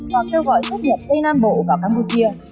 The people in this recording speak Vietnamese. hoặc kêu gọi xuất nhập tây nam bộ vào campuchia